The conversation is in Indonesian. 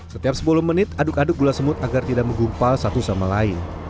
setiap sepuluh menit aduk aduk gula semut agar tidak menggumpal satu sama lain